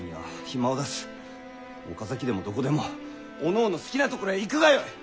岡崎でもどこでもおのおの好きな所へ行くがよい！